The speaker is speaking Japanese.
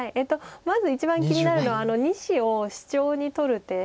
まず一番気になるのはあの２子をシチョウに取る手。